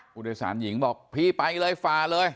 ผู้โดยสารหญิงบอกพี่ไปเลยฝ่าเลย